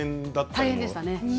大変でしたね